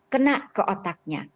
kena ke otaknya